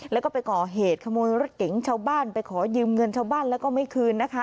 แล้วก็ไปก่อเหตุขโมยรถเก๋งชาวบ้านไปขอยืมเงินชาวบ้านแล้วก็ไม่คืนนะคะ